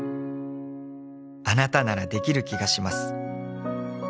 「あなたならできる気がします」